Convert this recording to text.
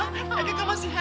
aku masih happy buat si nuka